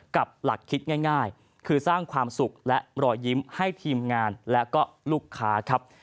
กับหลักคิดง่ายคือสร้างความสุขและรอยยิ้มให้ทีมงานและก็ลูกค้าครับ